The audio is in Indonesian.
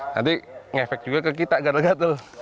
nanti ngefek juga ke kita gatel gatel